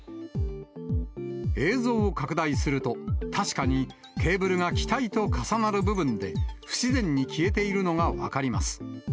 映像を拡大すると、確かにケーブルが機体と重なる部分で不自然に消えているのが分かります。